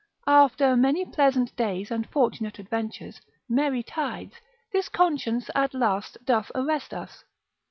After many pleasant days, and fortunate adventures, merry tides, this conscience at last doth arrest us.